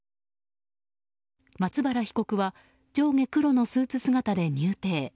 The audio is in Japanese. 松原被告は上下黒のスーツ姿で入廷。